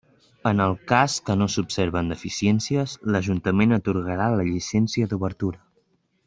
En el cas que no s'observen deficiències, l'ajuntament atorgarà la llicència d'obertura.